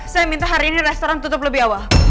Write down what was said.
saya minta hari ini restoran tutup lebih awal